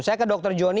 saya ke dokter jonny